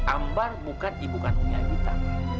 ambar bukan ibukan umi evita